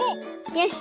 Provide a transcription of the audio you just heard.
よし！